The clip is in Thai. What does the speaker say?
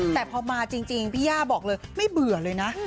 แต่พอมาจริงพี่ย่าบอกเลยไม่เบื่อเลยนะ